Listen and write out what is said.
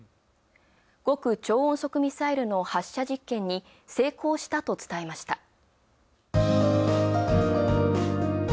極超音速ミサイルの発射実験に成功したと伝えました。